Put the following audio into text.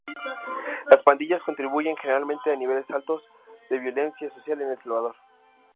Las pandillas contribuyen generalmente a niveles altos de violencia social en El Salvador.